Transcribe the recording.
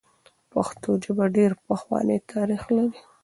پښتو ژبه ډېر پخوانی تاریخ لري.